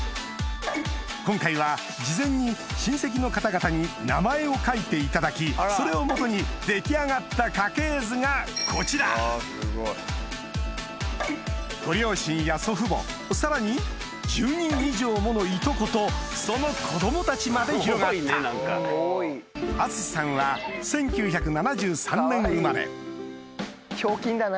今回は事前に親戚の方々に名前を書いていただきそれをもとに出来上がった家系図がこちらご両親や祖父母さらに１０人以上ものいとことその子供たちまで広がった淳さんは１９７３年生まれひょうきんだな。